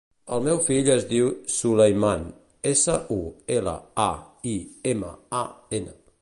El meu fill es diu Sulaiman: essa, u, ela, a, i, ema, a, ena.